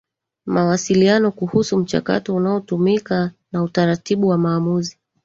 Mawasiliano kuhusu mchakato unaotumika na utaratibu wa maamuzi